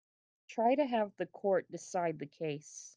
Try to have the court decide the case.